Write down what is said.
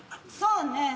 そうね。